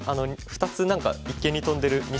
２つ何か一間にトンでる